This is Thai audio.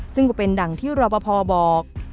ซึ่งก็เป็นดั่งที่รอปภบอก